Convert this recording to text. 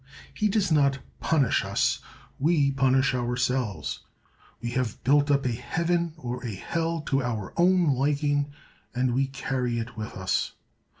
He does not punish us—we punish ourselves: we have built up a heaven or a hell to our own liking, and we carry it with us.